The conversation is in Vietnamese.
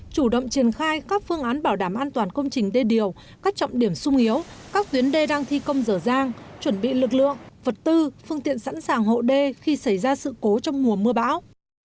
chủ động triển khai các phương án bảo đảm an toàn công trình đê điều các trọng điểm sung yếu các tuyến đê đang thi công dở dang chuẩn bị lực lượng vật tư phương tiện sẵn sàng hộ đê khi xảy ra sự cố trong mùa mưa bão